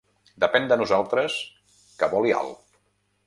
Depèn de nosaltres que voli alt.